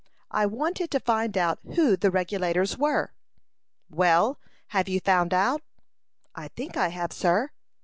I wanted to find out who the Regulators were." "Well, have you found out?" "I think I have, sir."